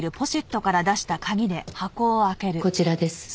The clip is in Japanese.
こちらです。